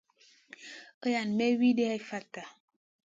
Iran may wuidi hai fatta.